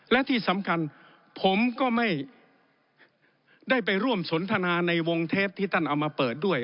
และที่สำคัญผมก็ไม่ได้ไปร่วมสนทนาในวงเทปที่ท่านเอามาเปิดด้วย